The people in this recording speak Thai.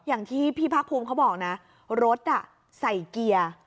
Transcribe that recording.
อย่างที่พี่พักภูมิเขาบอกนะรถใส่เกียร์